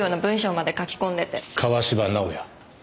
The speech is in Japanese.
川芝直哉。